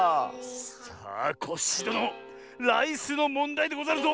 さあコッシーどのライスのもんだいでござるぞ！